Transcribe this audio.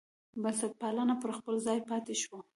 بنسټپالنه پر خپل ځای پاتې شوه.